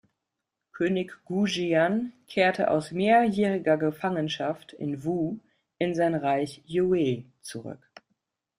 König Goujian kehrt aus mehrjähriger Gefangenschaft in Wu in sein Reich Yue zurück.